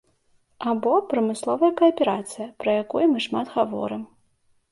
Або прамысловая кааперацыя, пра якую мы шмат гаворым.